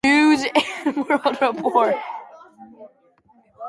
News and World Report.